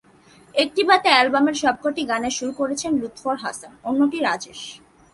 একটি বাদে অ্যালবামের সবকটি গানের সুর করেছেন লুৎফর হাসান, অন্যটির রাজেশ।